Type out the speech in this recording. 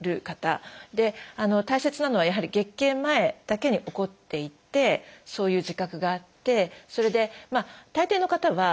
大切なのはやはり月経前だけに起こっていてそういう自覚があってそれで大抵の方はあれ？